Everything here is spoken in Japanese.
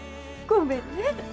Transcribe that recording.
ごめんね。